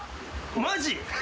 マジ？